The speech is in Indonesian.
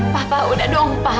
bapak udah dong pak